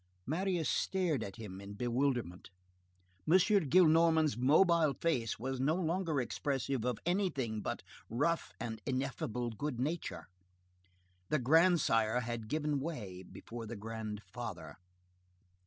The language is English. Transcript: Marius stared at him in bewilderment. M. Gillenormand's mobile face was no longer expressive of anything but rough and ineffable good nature. The grandsire had given way before the grandfather.